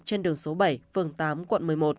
trên đường số bảy phường tám quận một mươi một